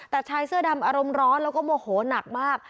แต่ชายเสื้อดำอารมณ์ร้อนแล้วก็โมโหนักมาก